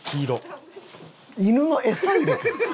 誰が犬の餌入れ。